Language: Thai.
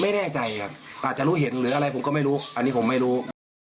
ไม่แน่ใจครับอาจจะรู้เห็นหรืออะไรผมก็ไม่รู้อันนี้ผมไม่รู้